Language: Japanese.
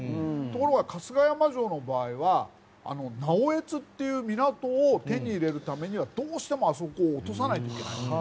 ところが春日山城の場合は直江津という港を手に入れるためにはどうしてもあそこを落とさないといけなかった。